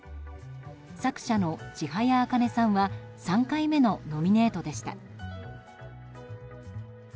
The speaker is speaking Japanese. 作者の千早茜さんは３回目のノミネートでした。